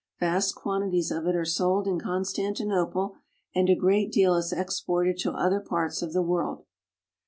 Vast quantities of it are sold in Constantinople, and a great deal is exported to other parts of the world.